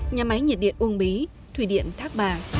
nhà máy nhiệt điện uông bí thủy điện thác bà